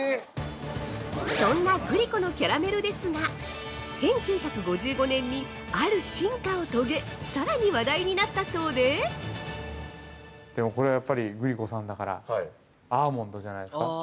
◆そんなグリコのキャラメルですが１９５５年に、ある進化を遂げさらに話題になったそうで◆やっぱり、グリコさんだからアーモンドじゃないですか。